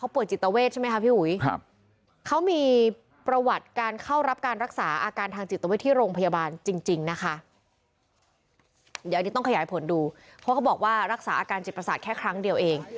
เพราะเขาบอกว่ารักษาอาการจิตประสาทแค่ครั้งเดียวเอง